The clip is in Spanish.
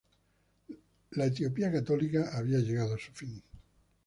La Etiopía católica había llegado a su fin.